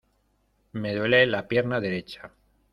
¡Me duele la pierna derecha!